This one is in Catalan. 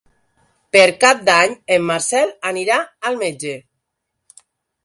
Per Cap d'Any en Marcel anirà al metge.